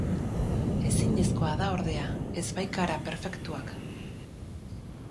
Ezinezkoa da ordea, ez baikara perfektuak.